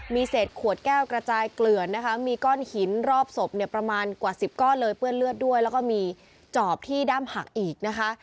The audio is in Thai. มีเศษขวดแก้วกระจายเกลื่อนนะคะมีก้อนหินรอบศพเนี่ยประมาณกว่า๑๐ก้อนเลยเปื้อนเลือดด้วยแล้วก็มีจอบที่ด้ามหักอีกนะคะ